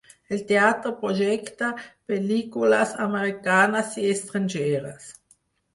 El teatre projecta pel·lícules americanes i estrangeres.